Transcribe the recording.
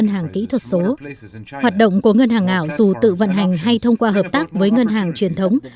ngân hàng kỹ thuật số hoạt động của ngân hàng ảo dù tự vận hành hay thông qua hợp tác với ngân hàng truyền thống